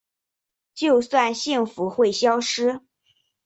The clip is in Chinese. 就算幸福会消失